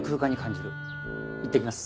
いってきます。